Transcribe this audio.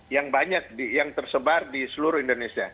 yang banyak yang tersebar di seluruh indonesia